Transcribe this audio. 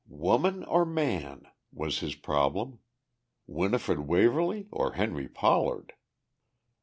"Woman or man?" was his problem. "Winifred Waverly or Henry Pollard?"